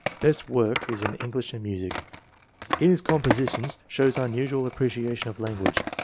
Best work is in English and music. In his com positions shows unusual appreciation of language.